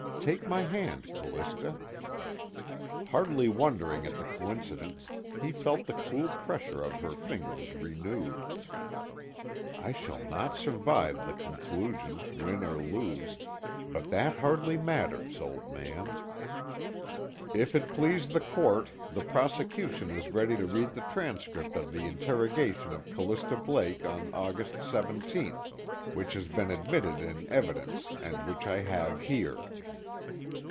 Take my hand, Callista._ Hardly wondering at the coincidence, he felt the cool pressure of her fingers renewed. I shall not survive the conclusion, win or lose, but that hardly matters, Old Man "If it please the Court, the prosecution is ready to read the transcript of the interrogation of Callista Blake on August 17th, which has been admitted in evidence and which I have here."